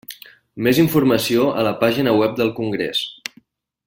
Més informació a la pàgina web del congrés.